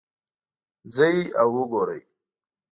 ځئ او وګورئ